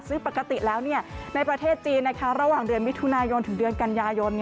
ซึ่งปกติแล้วในประเทศจีนระหว่างเดือนมิถุนายนถึงเดือนกันยายน